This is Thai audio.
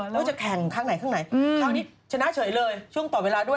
แล้วก็จะแข่งข้างในครั้งนี้ชนะเฉยเลยช่วงต่อเวลาด้วย